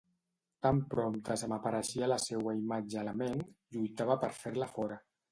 Tan prompte se m'apareixia la seua imatge a la ment, lluitava per fer-la fora.